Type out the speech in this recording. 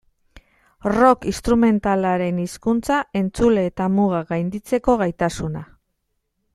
Rock instrumentalaren hizkuntza, entzule eta mugak gainditzeko gaitasuna.